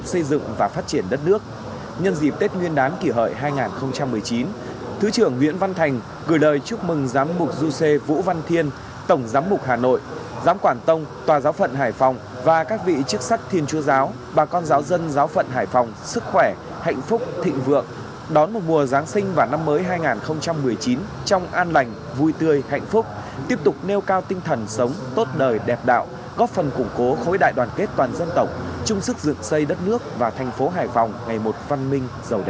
thứ trưởng nguyễn văn thành gửi lời chúc mừng giám mục du sê vũ văn thiên tổng giám mục hà nội giám quản tông tòa giáo phận hải phòng và các vị chức sách thiên chúa giáo bà con giáo dân giáo phận hải phòng sức khỏe hạnh phúc thịnh vượng đón một mùa giáng sinh và năm mới hai nghìn một mươi chín trong an lành vui tươi hạnh phúc tiếp tục nêu cao tinh thần sống tốt đời đẹp đạo góp phần củng cố khối đại đoàn kết toàn dân tộc chung sức dựng xây đất nước và thành phố hải phòng ngày một văn minh giàu